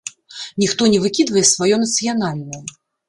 Ніхто не выкідвае сваё нацыянальнае.